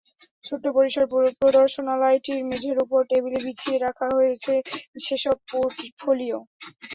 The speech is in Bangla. ছোট্ট পরিসরের প্রদর্শনালয়টির মেঝের ওপর টেবিলে বিছিয়ে রাখা হয়েছে সেসব পোর্টফোলিও।